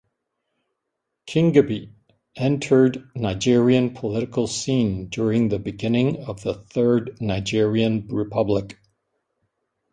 Kingibe entered Nigerian political scene during the beginning of the Third Nigerian Republic.